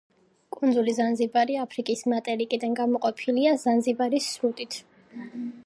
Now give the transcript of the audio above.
კუნძული ზანზიბარი აფრიკის მატერიკიდან გამოყოფილია ზანზიბარის სრუტით.